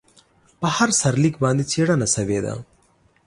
په هر سرلیک باندې څېړنه شوې ده.